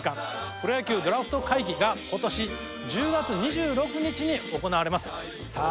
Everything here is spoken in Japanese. プロ野球ドラフト会議が今年１０月２６日に行われますさあ